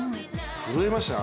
震えました